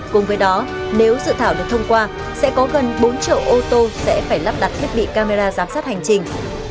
cùng với đó nếu dự thảo được thông qua sẽ có gần bốn triệu ô tô sẽ phải lắp đặt thiết bị camera giám sát hành trình